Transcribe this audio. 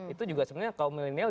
itu juga sebenarnya kaum milenial